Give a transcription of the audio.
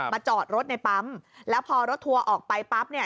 จอดรถในปั๊มแล้วพอรถทัวร์ออกไปปั๊บเนี่ย